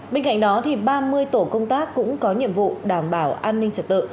bên cạnh đó ba mươi tổ công tác cũng có nhiệm vụ đảm bảo an ninh trật tự